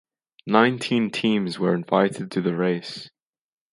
Nineteen teams were invited to the race.